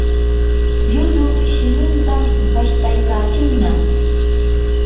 lllullu shimintan pashtaykachinnam.